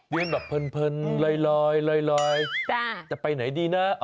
แบบเพลินลอยจะไปไหนดีนะ